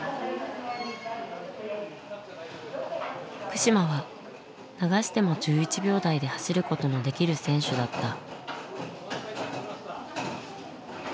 福島は流しても１１秒台で走ることのできる選手だった。